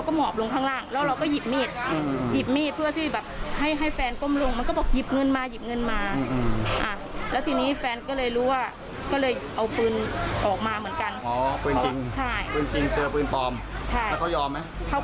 เขาก็นั่งลงเขาบอกใจเย็นพี่ใจเย็นผมผมปืนปลอม